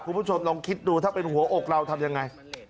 คุณผู้ชมลองคิดดูถ้าเป็นหัวอกเราทำยังไง